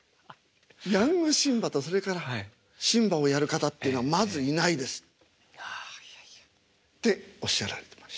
「ヤングシンバとそれからシンバをやる方っていうのはまずいないです」。っておっしゃられてました。